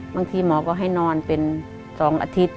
บางทีหมอก็ให้นอนเป็น๒อาทิตย์